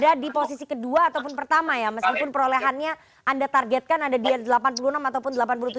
jadi di posisi kedua ataupun pertama ya meskipun perolehannya anda targetkan ada di delapan puluh enam ataupun delapan puluh tujuh